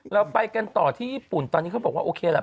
เราไปกันต่อที่ญี่ปุ่นตอนนี้เขาบอกว่าโอเคแหละ